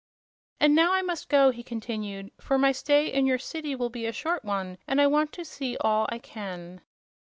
"And now I must go," he continued, "for my stay in your city will be a short one and I want to see all I can."